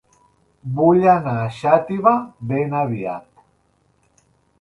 Vull anar a Xàtiva ben aviat